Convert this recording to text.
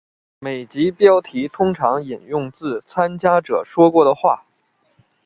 每集标题通常引用自参加者说过的话。